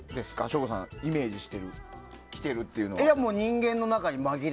省吾さんがイメージしている来てるっていうのは。